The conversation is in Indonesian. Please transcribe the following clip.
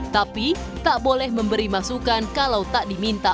tapi tak boleh memberi masukan kalau tak diminta